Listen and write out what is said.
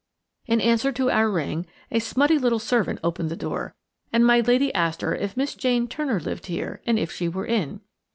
In answer to our ring, a smutty little servant opened the door, and my lady asked her if Miss Jane Turner lived here and if she were in.